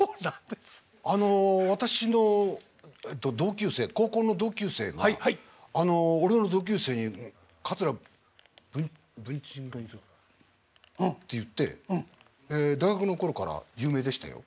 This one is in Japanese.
あの私の同級生高校の同級生が「俺の同級生に桂文珍がいる」って言って大学の頃から有名でしたよ